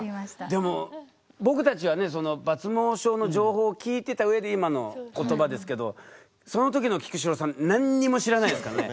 でも僕たちはね抜毛症の情報を聞いてた上で今の言葉ですけどそのときの菊紫郎さん何にも知らないですからね。